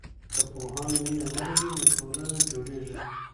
که پوهان مينه ولري، نو ټولنه جوړېږي.